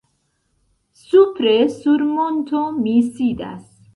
Supre, sur monto, mi sidas.